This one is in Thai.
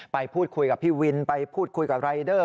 ไปพูดคุยกับพี่วินไปพูดคุยกับรายเดอร์